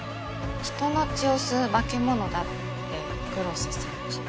人の血を吸う化け物だって黒瀬さんが。